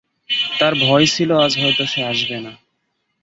তার ভয় ছিল আজ হয়তো সে আসবে না।